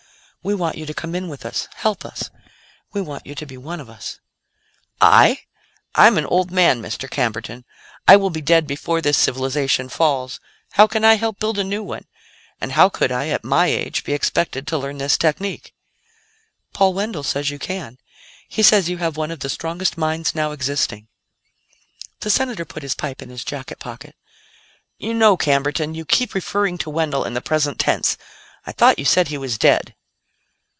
We want you to come in with us, help us; we want you to be one of us." "I? I'm an old man, Mr. Camberton. I will be dead before this civilization falls; how can I help build a new one? And how could I, at my age, be expected to learn this technique?" "Paul Wendell says you can. He says you have one of the strongest minds now existing." The Senator put his pipe in his jacket pocket. "You know, Camberton, you keep referring to Wendell in the present tense. I thought you said he was dead."